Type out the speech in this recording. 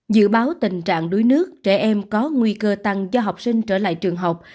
dự báo tình trạng đuối nước trẻ em có nguy cơ tăng cho học sinh trở lại trường học